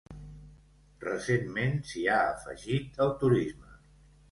Recentment s'hi ha afegit el turisme.